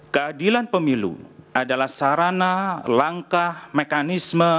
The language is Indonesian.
keadilan pemilu adalah sarana langkah mekanisme